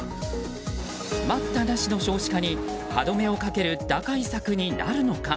待ったなしの少子化に歯止めをかける打開策になるのか。